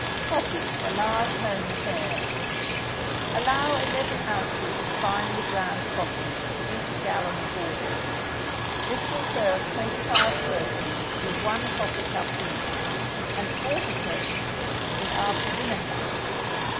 COFFEE FOR LARGE HOME AFFAIRS Allow eleven ounces of finely ground coffee to each gallon of water. This will serve twenty five persons with one coffee cup each, and forty persons with after dinner cups.